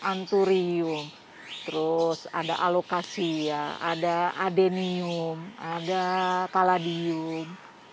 anturium terus ada alokasi ya ada adenium ada kaladium